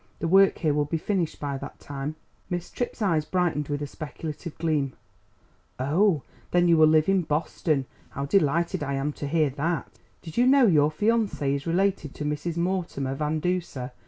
The work here will be finished by that time." Miss Tripp's eyes brightened with a speculative gleam. "Oh, then you will live in Boston! How delighted I am to hear that! Did you know your fiancé is related to Mrs. Mortimer Van Duser?